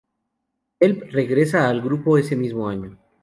Delp regresa al grupo ese mismo año.